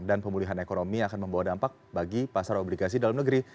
dan pemulihan ekonomi akan membawa dampak bagi pasar obligasi dalam negeri